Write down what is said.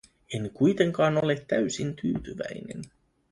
En kuitenkaan ole täysin tyytyväinen.